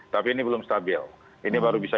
tapi ini belum stabil ini baru bisa